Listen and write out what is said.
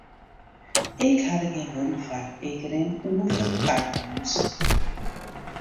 Ik ha der gjin wurden foar, ik rin oer fan tankberens.